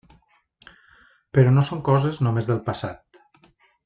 Però no són coses només del passat.